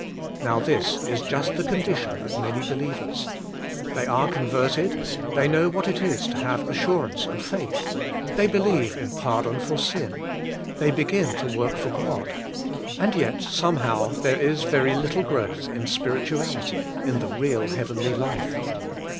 Now this is just the condition of many believers. They are converted; they know what it is to have assurance and faith; they believe in pardon for sin ; they begin to work for God; and yet, somehow, there is very little growth in spirituality, in the real heavenly life.